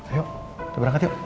ayo kita berangkat yuk